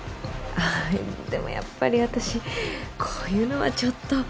でもやっぱり私こういうのはちょっと。